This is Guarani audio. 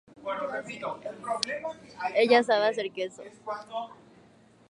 Ha’e ojapokuaa kesu.